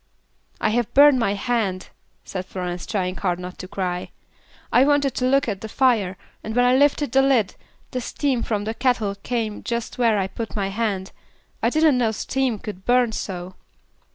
"I have burned my hand," said Florence, trying hard not to cry. "I wanted to look at the fire, and when I lifted the lid, the steam from the kettle came just where I put my hand. I didn't know steam could burn so."